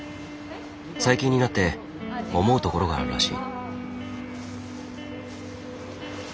最近になって思うところがあるらしい。